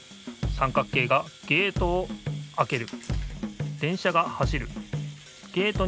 三角形がゲートをあける。